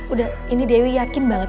udah ini dewi yakin banget